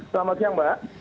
selamat siang mbak